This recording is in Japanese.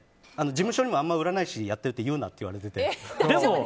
事務所にもあんまり占い師やってるって言うなって言われてて。